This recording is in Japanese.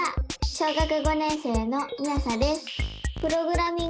小学５年生のみあさです。